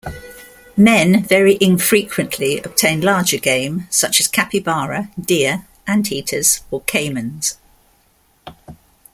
Men very infrequently obtain larger game such as capybara, deer, anteaters, or caimans.